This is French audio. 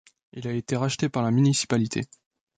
Il a été racheté par la municipalité.